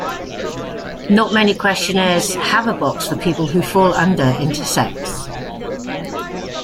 Not many questionnaires have a box for people who fall under Intersex.